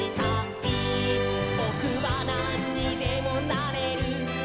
「ぼくはなんにでもなれる！」